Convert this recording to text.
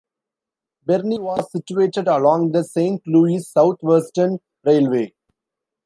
Bernie was situated along the Saint Louis Southwestern Railway.